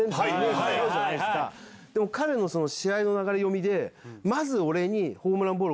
でも彼の試合の流れ読みで。